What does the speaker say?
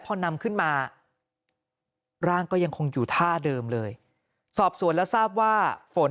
พอนำขึ้นมาร่างก็ยังคงอยู่ท่าเดิมเลยสอบสวนแล้วทราบว่าฝน